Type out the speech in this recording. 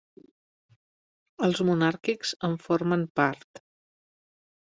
Els monàrquics en formen part.